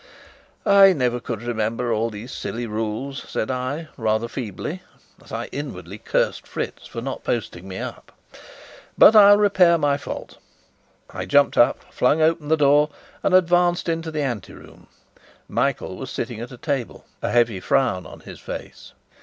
"I never could remember all these silly rules," said I, rather feebly, as I inwardly cursed Fritz for not posting me up. "But I'll repair my fault." I jumped up, flung open the door, and advanced into the ante room. Michael was sitting at a table, a heavy frown on his face.